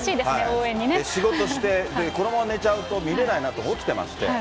仕事して、このまま寝ちゃうと見れないなと起きてまして。